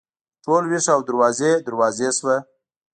ټول ویښ او دروازې، دروازې شوه